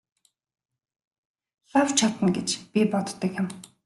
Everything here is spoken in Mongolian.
Лав чадна гэж би боддог юм.